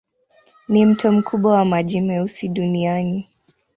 Ni mto mkubwa wa maji meusi duniani.